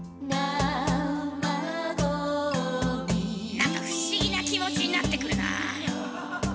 何か不思議な気持ちになってくるなあ。